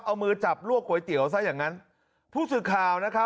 เอามือจับลวกก๋วยเตี๋ยวซะอย่างงั้นผู้สื่อข่าวนะครับ